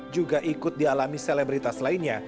juga ikut dialami selebritas lainnya